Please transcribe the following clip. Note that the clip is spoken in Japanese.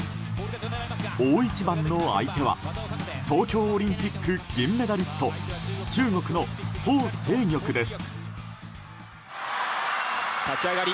大一番の相手は東京オリンピック銀メダリスト中国のホウ・セイギョクです。